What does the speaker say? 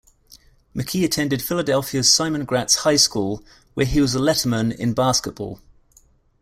McKie attended Philadelphia's Simon Gratz High School, where he was a letterman in basketball.